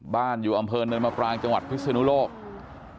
บ้านอยู่อำเภอเรอร์มาปลางจังหวัดพิสุโนโลกตลอด